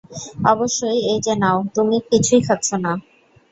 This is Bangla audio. অবশ্যই এইযে নাও - তুমি কিছুই খাচ্ছ না।